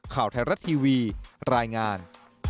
ข่าวไทยรัฐทีวีรายงาน